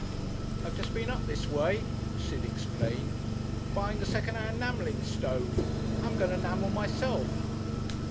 "I've just been up this way," Sid explained, "buying a second hand 'namelling stove.... I'm going to 'namel myself."